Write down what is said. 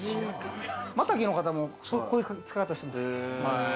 またぎの方もこういう使い方してるんです。